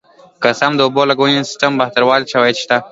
که څه هم د اوبو لګونې سیستم بهتروالی شواهد شته